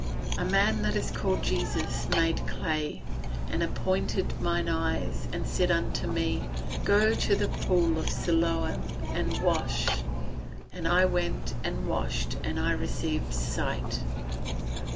[Verse: "A man that is called Jesus made clay, and anointed mine eyes, and said unto me, Go to the pool of Siloam, and wash: and I went and washed, and I received sight."